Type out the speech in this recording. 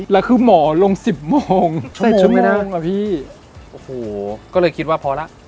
แล้วคือหมอลง๑๐โมงชั่วโมงอ่ะพี่โอ้โหก็เลยคิดว่าพอแล้ว